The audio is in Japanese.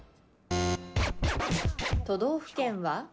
都道府県は？